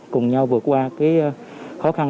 cùng nhau vượt qua cái khó khăn